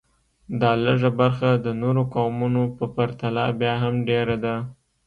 دا لږه برخه د نورو قومونو په پرتله بیا هم ډېره ده